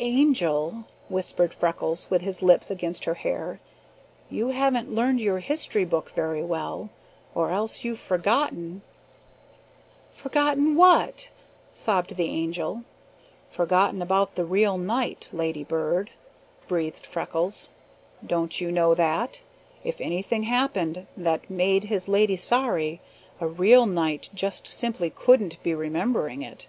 "Angel," whispered Freckles, with his lips against her hair, "you haven't learned your history book very well, or else you've forgotten." "Forgotten what?" sobbed the Angel. "Forgotten about the real knight, Ladybird," breathed Freckles. "Don't you know that, if anything happened that made his lady sorry, a real knight just simply couldn't be remembering it?